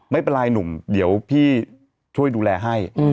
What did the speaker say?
ไม่เป็นไรหนุ่มเดี๋ยวพี่ช่วยดูแลให้